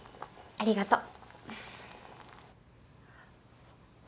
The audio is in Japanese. ありがとう。